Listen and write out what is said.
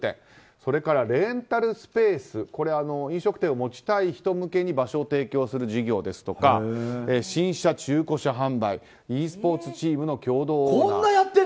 それから、レンタルスペース飲食店を持ちたい人向けに場所を提供する事業ですとか新車中古車販売ｅスポーツチームの共同オーナー。